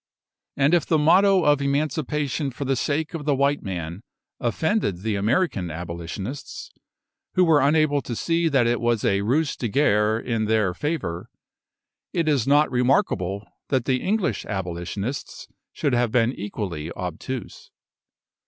And if the motto of Emancipation for the sake of the white man offended the American Abolitionists, who were unable to see that it was a ruse de guerre in their favour, it is not remarkable that the English Abolitionists should have been equally obtuse.